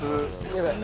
やばい。